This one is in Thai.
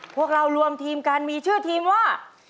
พวกเรารวมทีมกันมีชื่อทีมว่า